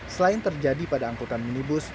selain terjadi pada angkutan minibus